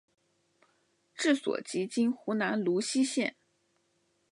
治所即今湖南泸溪县。